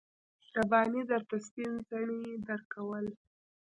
رباني درته سپين څڼې درکول.